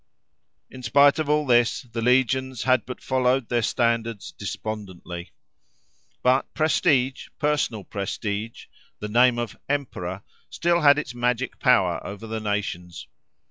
In spite of all this, the legions had but followed their standards despondently. But prestige, personal prestige, the name of "Emperor," still had its magic power over the nations.